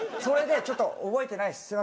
それでちょっと覚えてないです。